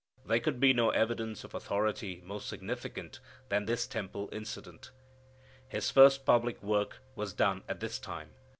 There could be no evidence of authority more significant than this temple incident. His first public work was done at this time.